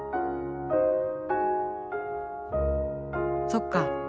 そっか。